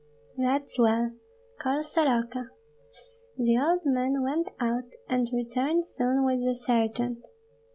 "That's well. Call Soroka!" The old man went out, and returned soon with the sergeant.